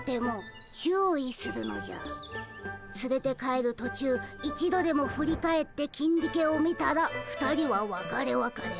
つれて帰る途中一度でも振り返ってキンディケを見たら２人はわかれわかれ。